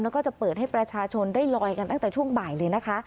แล้วก็จะเปิดให้ประชาชนได้ลอยกันตั้งแต่ช่วงบ่ายเลยนะคะ